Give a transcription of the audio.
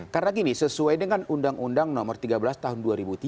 karena gini sesuai dengan undang undang nomor tiga belas tahun dua ribu tiga